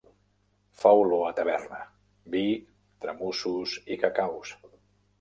Fa olor a taverna: vi, tramussos i cacaus.